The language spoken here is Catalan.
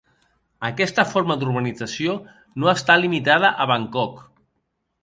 Aquesta forma d'urbanització no està limitada a Bangkok.